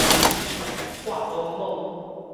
闊莽莽